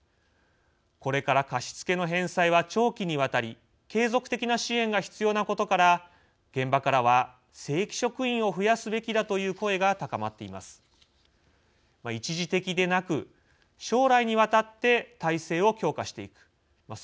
これから貸付の返済は長期にわたり継続的な支援が必要なことから現場からは正規職員を増やすべきだという声が高まっています。